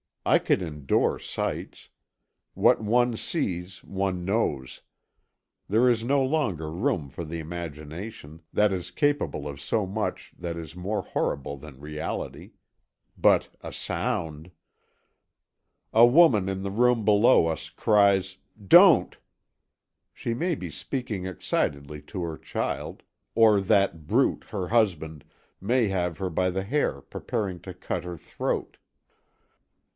I could endure sights. What one sees, one knows. There is no longer room for the imagination that is capable of so much that is more horrible than reality. But a sound! A woman in the room below us cries, "Don't!" She may be speaking excitedly to her child or that brute, her husband, may have her by the hair preparing to cut her throat.